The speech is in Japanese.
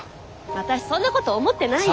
私そんなこと思ってないよ。